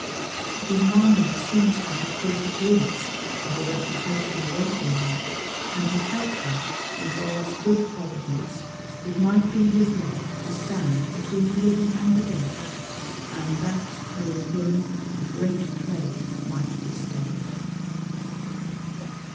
His mind seems to have caught a glimpse of the reputation awaiting him, and he felt that, in God's good providence, it "might be his lot to stand between the living and the dead, and that through him a great plague might be stayed."